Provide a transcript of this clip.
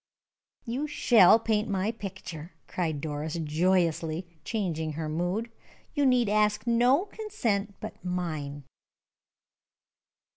"You shall paint my picture!" cried Doris, joyously, changing her mood. "You need ask no consent but mine!"